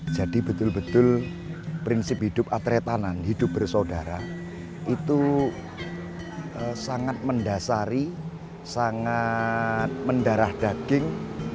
jadi betul betul prinsip hidup atretanan hidup bersaudara itu sangat mendasari sangat mendarah daging